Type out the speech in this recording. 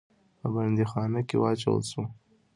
په بندیخانه کې واچول سو.